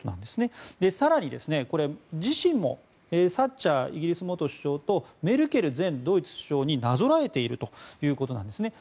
更に、自身もサッチャー元イギリス首相とメルケル前ドイツ首相になぞらえているということなんです。